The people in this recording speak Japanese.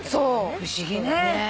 不思議ね。